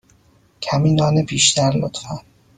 کمی نان بیشتر، لطفا.